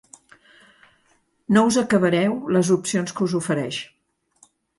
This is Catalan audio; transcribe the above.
No us acabareu les opcions que us ofereix.